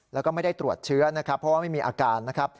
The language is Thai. แล้วก็ไม่ได้ตรวจเชื้อนะครับเพราะว่าไม่มีอาการนะครับ